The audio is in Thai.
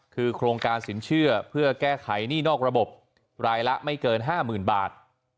คือโครงการสินเชื่อเพื่อแก้ไขหนี้นอกระบบรายละไม่เกิน๕๐๐๐บาท